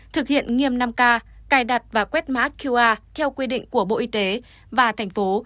thực hiện nghiêm năm k cài đặt và quét mã qr theo quy định của bộ y tế và thành phố